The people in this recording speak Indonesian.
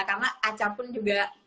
karena caca pun juga